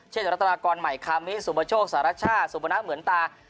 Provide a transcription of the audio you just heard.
เช่นลักษณะกรใหม่คามิสุปโปรโชคสหรัชชาสุปนักเหมือนตา